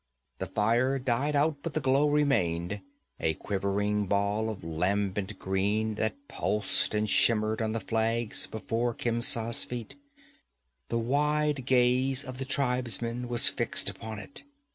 The fire died out but the glow remained, a quivering ball of lambent green that pulsed and shimmered on the flags before Khemsa's feet. The wide gaze of the tribesmen was fixed upon it.